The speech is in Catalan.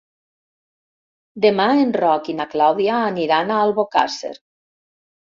Demà en Roc i na Clàudia aniran a Albocàsser.